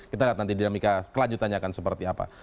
kita lihat nanti dinamika kelanjutannya akan seperti apa